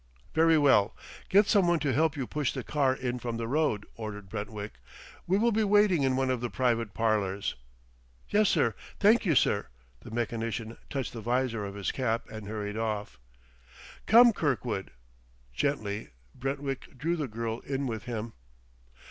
"Very well. Get some one to help you push the car in from the road," ordered Brentwick; "we will be waiting in one of the private parlors." "Yes, sir; thank you, sir." The mechanician touched the visor of his cap and hurried off. "Come, Kirkwood." Gently Brentwick drew the girl in with him.